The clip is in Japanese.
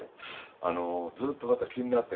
あのずっとまた気になってるやつで。